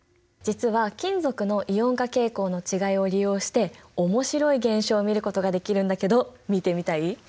実は金属のイオン化傾向の違いを利用して面白い現象を見ることができるんだけど見てみたい？